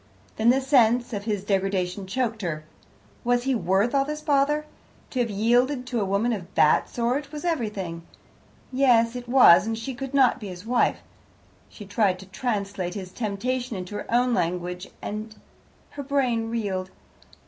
Then the sense of his degradation choked her. Was he worth all this bother? To have yielded to a woman of that sort was everything, yes, it was, and she could not be his wife. She tried to translate his temptation into her own language, and her brain reeled.